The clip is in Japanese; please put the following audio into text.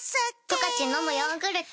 「十勝のむヨーグルト」